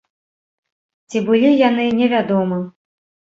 Ці былі яны, невядома.